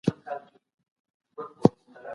کله چي انسان پوه سي چي بل غولولای سي نو غولوي یې.